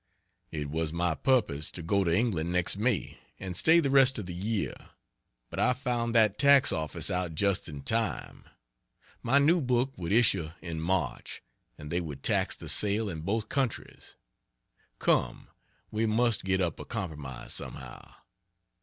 It was my purpose to go to England next May and stay the rest of the year, but I've found that tax office out just in time. My new book would issue in March, and they would tax the sale in both countries. Come, we must get up a compromise somehow.